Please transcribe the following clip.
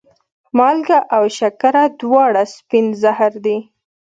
مالګه او شکره دواړه سپین زهر دي.